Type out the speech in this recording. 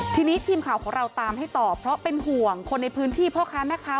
ทีนี้ทีมข่าวของเราตามให้ต่อเพราะเป็นห่วงคนในพื้นที่พ่อค้าแม่ค้า